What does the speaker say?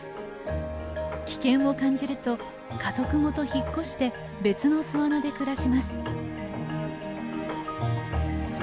危険を感じると家族ごと引っ越して別の巣穴で暮らします。